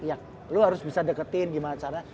ya lo harus bisa deketin gimana cara